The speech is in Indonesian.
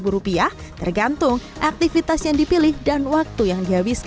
satu ratus sembilan puluh sembilan rupiah tergantung aktivitas yang dipilih dan waktu yang dihabiskan